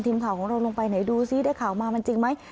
ทีมข่าวของเราลงไปไหนดูซิได้ข่าวมามันจริงไหม